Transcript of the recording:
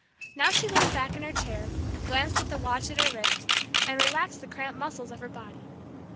Now she leaned back in her chair, glanced at the watch at her wrist, and relaxed the cramped muscles of her body.